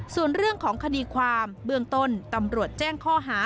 ส่วนเรื่องของคดีความเบื้องต้นตำรวจแจ้งข้อหา